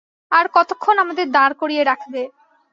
আর কতক্ষণ আমাদের দাঁড় করিয়ে রাখবে?